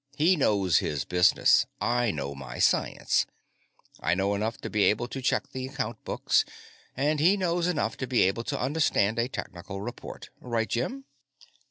He knows his business; I know my science. I know enough to be able to check the account books, and he knows enough to be able to understand a technical report. Right, Jim?"